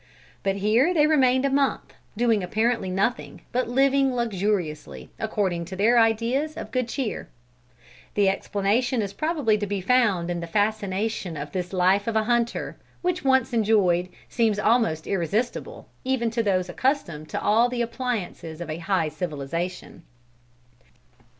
But here they remained a month, doing apparently nothing, but living luxuriously, according to their ideas of good cheer. The explanation is probably to be found in the fascination of this life of a hunter, which once enjoyed, seems almost irresistible, even to those accustomed to all the appliances of a high civilization.